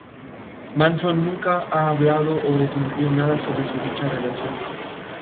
Manson nunca ha hablado o desmentido nada sobre dicha relación.